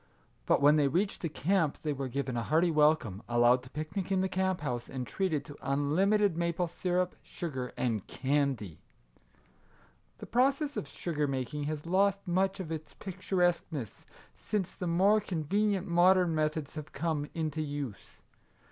But when they reached the camp they were given a hearty welcome, allowed to picnic in the camp house, and treated to unlimited maple syrup, sugar, and candy. The process of sugar making has lost much Our Little Canadian Cousin 119 ef its picturesqueness, since the more conve nient modern methods have come into use.